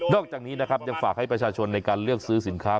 อกจากนี้นะครับยังฝากให้ประชาชนในการเลือกซื้อสินค้า